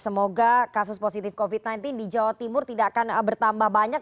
semoga kasus positif covid sembilan belas di jawa timur tidak akan bertambah banyak